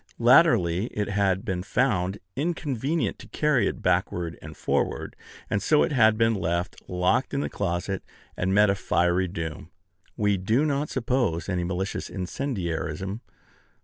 Latterly it had been found inconvenient to carry it backward and forward; and so it had been left, locked in a closet, and met a fiery doom. We do not suppose any malicious incendiarism.